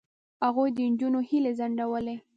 هغوی د نجونو هیلې ځنډولې.